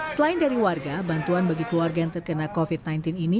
selain dari warga bantuan bagi keluarga yang terkena covid sembilan belas ini